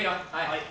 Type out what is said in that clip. はい。